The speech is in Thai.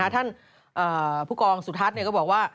ท่านผู้กองสุทัศน์ก็บอกว่า